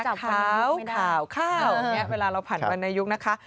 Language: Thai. ข่าวข่าวนี้เวลาเราผ่านในยุคนะคะ